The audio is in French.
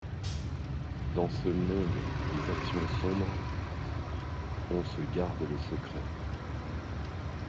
Dans ce monde des actions sombres, on se garde le secret.